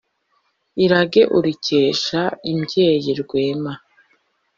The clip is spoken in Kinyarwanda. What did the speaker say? irage urikesha imbyeyi rwema.